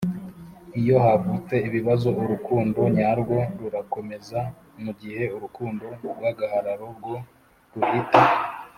Iyo havutse ibibazo urukundo nyarwo rurakomeza mu gihe urukundo rw agahararo rwo ruhita